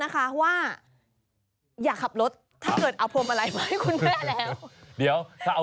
แปลว่า